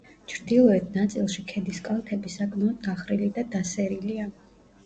ჩრდილოეთ ნაწილში ქედის კალთები საკმაოდ დახრილი და დასერილია.